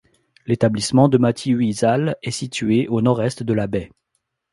L'établissement de Matyuysale est situé au nord-est de la baie.